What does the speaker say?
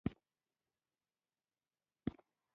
موږ هغه مخکې تشرېح کړې دي.